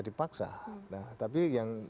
dipaksa tapi yang